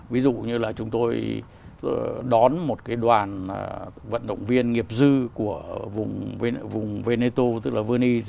ví dụ như là chúng tôi đón một cái đoàn vận động viên nghiệp dư của vùng venezo tức là veni